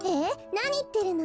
なにいってるの？